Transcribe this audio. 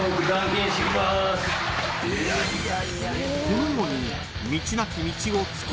［このように］